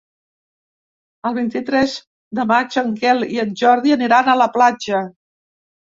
El vint-i-tres de maig en Quel i en Jordi aniran a la platja.